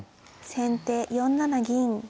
先手４七銀。